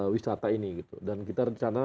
wisata ini gitu dan kita rencana